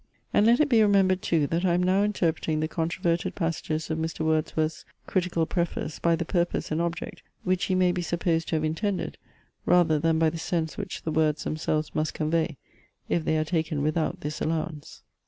And let it be remembered too, that I am now interpreting the controverted passages of Mr. Wordsworth's critical preface by the purpose and object, which he may be supposed to have intended, rather than by the sense which the words themselves must convey, if they are taken without this allowance.